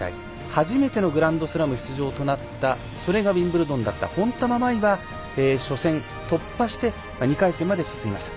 初めてのグランドスラム出場となったウィンブルドンとなった本玉真唯は初戦突破して２回戦まで進みました。